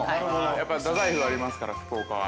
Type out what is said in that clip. ◆やっぱり太宰府がありますから、福岡は。